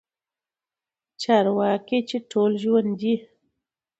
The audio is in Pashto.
چارواکي چې ټول ژوندي